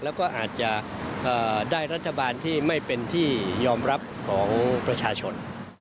แล้วก็อาจจะได้รัฐบาลที่ไม่เป็นที่ยอมรับของประชาชน